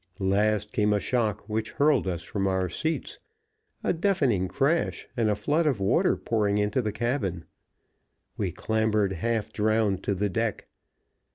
Last came a shock which hurled us from our seats, a deafening crash, and a flood of water pouring into the cabin. We clambered, half drowned, to the deck.